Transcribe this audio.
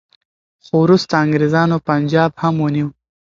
خو وروسته انګریزانو پنجاب هم ونیو.